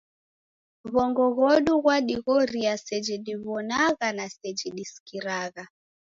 W'ongo ghodu ghwadighoria seji diw'onagha na seji disikiragha.